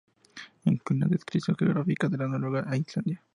Incluye una descripción geográfica de Noruega e Islandia.